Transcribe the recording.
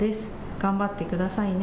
頑張ってくださいね。